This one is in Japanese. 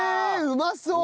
うまそう！